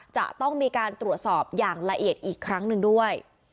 จะต้องมีการตรวจสอบอย่างละเอียดอีกครั้งหนึ่งด้วย